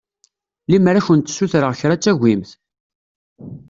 Lemmer ad kent-ssutreɣ kra ad tagimt?